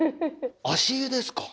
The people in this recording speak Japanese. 足湯ですか？